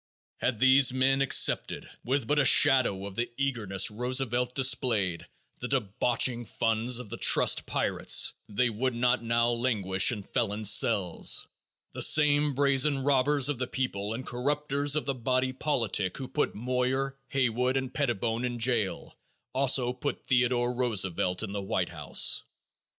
Had these men accepted, with but a shadow of the eagerness Roosevelt displayed, the debauching funds of the trust pirates, they would not now languish in felons' cells. The same brazen robbers of the people and corrupters of the body politic who put Moyer, Haywood and Pettibone in jail, also put Theodore Roosevelt in the White House.